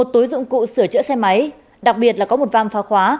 một túi dụng cụ sửa chữa xe máy đặc biệt là có một vam pha khóa